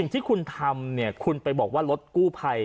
ที่คุณทำเนี่ยคุณไปบอกว่ารถกู้ภัย